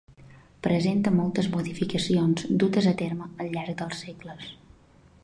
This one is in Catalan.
Presenta moltes modificacions dutes a terme al llarg dels segles.